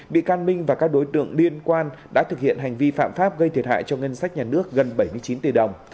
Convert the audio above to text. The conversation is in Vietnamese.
bị can minh và các đối tượng liên quan đã thực hiện hành vi phạm pháp gây thiệt hại cho ngân sách nhà nước gần bảy mươi chín tỷ đồng